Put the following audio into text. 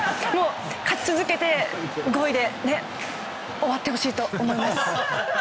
勝ち続けて、５位で終わってほしいと思います。